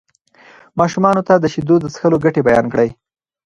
ماشومانو ته د شیدو د څښلو ګټې بیان کړئ.